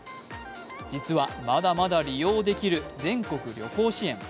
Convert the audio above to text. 実は、まだまだ利用できる全国旅行支援。